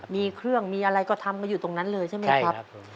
มีเครื่องมีอะไรก็ทำกันอยู่ตรงนั้นเลยใช่ไหมครับ